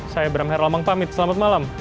saya bramherl mengpamit selamat malam